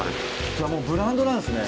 じゃあもうブランドなんですね。